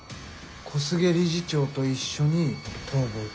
小菅理事長と一緒に逃亡中。